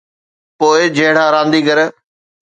پوءِ جھڙا رانديگر.